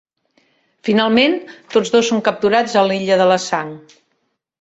Finalment, tots dos són capturats a l'Illa de la Sang.